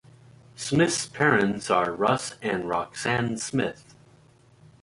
Smith's parents are Russ and Roxanne Smith.